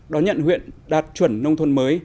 đó nhận huyện đạt chuẩn nông thôn